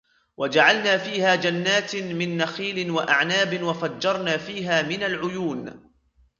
وجعلنا فيها جنات من نخيل وأعناب وفجرنا فيها من العيون